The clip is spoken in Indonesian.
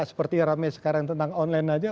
seperti rame sekarang tentang online aja